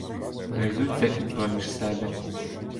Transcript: Гризуться і проміж себе: